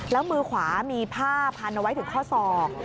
แล้วมือขวามีผ้าพันเอาไว้ถึงข้อศอก